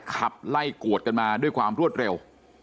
ขับไล่กวดกันมาด้วยความรวดเร็ว